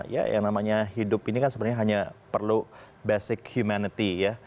ya yang namanya hidup ini kan sebenarnya hanya perlu basic humanity ya